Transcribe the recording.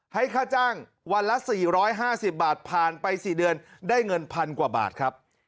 ให้ค่าจ้างวันละ๔๕๐บาทผ่านไป๔เดือนได้เงินพันกว่าบาทครับ